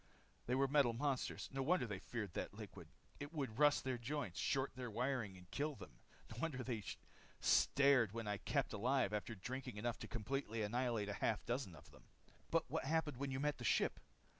"They were metal monsters. No wonder they feared that liquid. It would rust their joints, short their wiring, and kill them. No wonder they stared when I kept alive after drinking enough to completely annihilate a half dozen of them. "But what happened when you met the ship?"